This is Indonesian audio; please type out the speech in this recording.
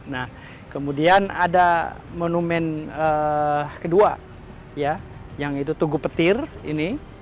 nah kemudian ada monumen kedua ya yang itu tugu petir ini